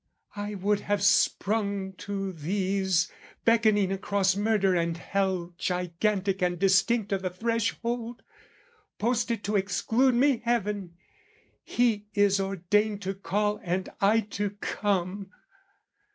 I would have sprung to these, beckoning across Murder and hell gigantic and distinct O' the threshold, posted to exclude me heaven: He is ordained to call and I to come!